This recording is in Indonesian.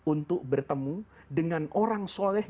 untuk bertemu dengan orang soleh